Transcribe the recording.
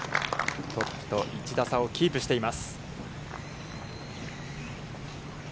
トップと１打差をキープしています。